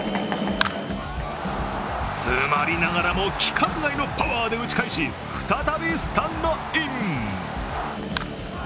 詰まりながらも、規格外のパワーで打ち返し再びスタンドイン。